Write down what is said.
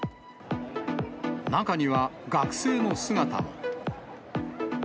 中には学生の姿も。